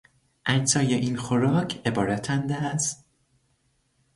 اجزای این خوراک عبارتند از...